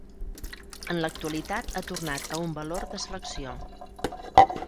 En l'actualitat ha tornat a un valor de selecció.